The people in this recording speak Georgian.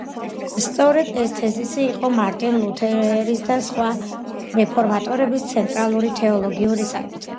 სწორედ ეს თეზისი იყო მარტინ ლუთერის და სხვა რეფორმატორების ცენტრალური თეოლოგიური საკითხი.